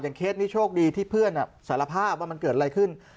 เคสนี้โชคดีที่เพื่อนสารภาพว่ามันเกิดอะไรขึ้น